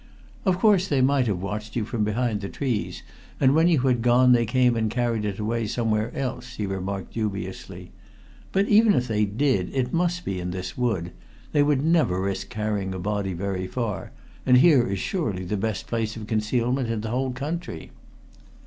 "Of course they might have watched you from behind the trees, and when you had gone they came and carried it away somewhere else," he remarked dubiously; "but even if they did, it must be in this wood. They would never risk carrying a body very far, and here is surely the best place of concealment in the whole country."